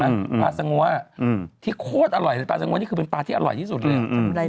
ปลาสงัวอืมที่โคตรอร่อยปลาสงวนนี่คือเป็นปลาที่อร่อยที่สุดเลยอ่ะ